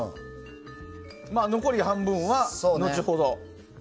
残り半分は後ほど。